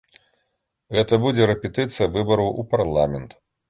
Гэта будзе рэпетыцыя выбараў у парламент.